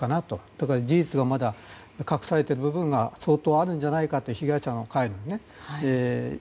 だから、事実がまだ隠されている部分が相当あるんじゃないかと被害者の会